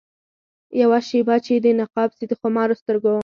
یوه شېبه چي دي نقاب سي د خمارو سترګو